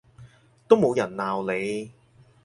都冇人鬧你